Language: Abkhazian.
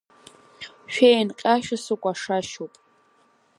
Шәеинҟьашьа сыкәашашьоуп!